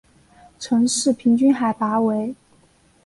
城市平均海拔为。